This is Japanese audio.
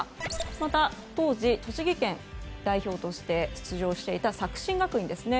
また、当時栃木県代表として出場していた作新学院ですね。